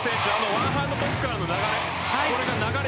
ワンハンドトスからの流れ流れ